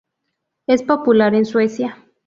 Es popular en Suecia.